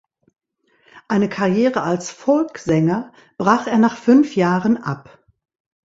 Eine Karriere als Folksänger brach er nach fünf Jahren ab.